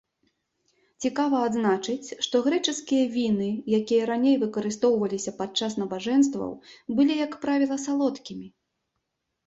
Цікава адзначыць, што грэчаскія віны, якія раней выкарыстоўваліся падчас набажэнстваў, былі, як правіла, салодкімі.